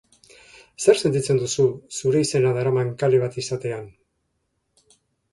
Zer sentitzen duzu zure izena daraman kale bat izatean?